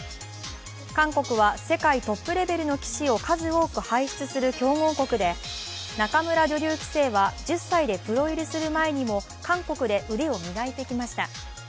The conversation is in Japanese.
韓国は世界トップレベルの棋士を数多く輩出する強豪国で仲邑女流棋聖は韓国で腕を磨いてきました。